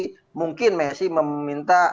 jadi mungkin messi meminta